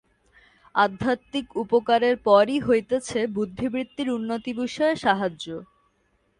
আধ্যাত্মিক উপকারের পরই হইতেছে বুদ্ধিবৃত্তির উন্নতি-বিষয়ে সাহায্য।